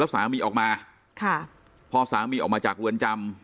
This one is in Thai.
แล้วสามีออกมาพอสามีออกมาจากรวรจำ